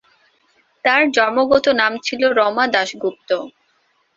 তার জন্মগত নাম ছিল রমা দাশগুপ্ত।